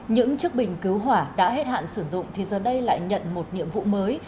những chiếc bình cứu hỏa đã hết hạn sử dụng thì giờ đây lại nhận một nhiệm vụ mới